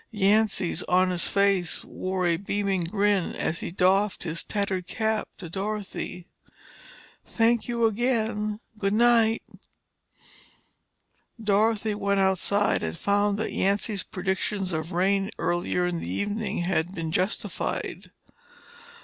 Yancy's honest face wore a beaming grin as he doffed his tattered cap to Dorothy. "Thank you again. Good night." Dorothy went outside and found that Yancy's prediction of rain earlier in the evening had been justified.